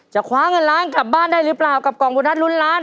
คว้าเงินล้านกลับบ้านได้หรือเปล่ากับกล่องโบนัสลุ้นล้าน